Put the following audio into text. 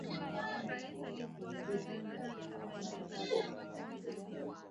ka eneo la bulohubei katika eneo njirani ya wilaya ya wadajia